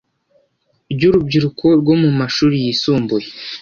ry Urubyiruko rwo mu mashuri yisumbuye